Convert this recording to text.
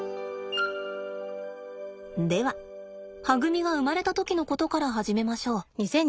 でははぐみが生まれた時のことから始めましょう。